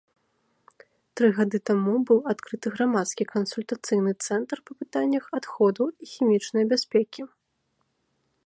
Тры гады таму быў адкрыты грамадскі кансультацыйны цэнтр па пытаннях адходаў і хімічнай бяспекі.